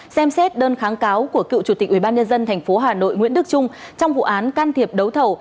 xem xét đơn kháng cáo của cựu chủ tịch ubnd tp hà nội nguyễn đức trung trong vụ án can thiệp đấu thầu